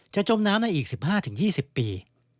จมน้ำในอีก๑๕๒๐ปี